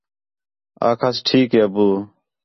آکھاس ٹھیک ہے ابّو